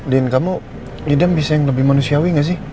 din kamu ngidam bisa yang lebih manusiawi enggak sih